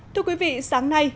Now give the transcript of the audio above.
thưa quý vị sáng nay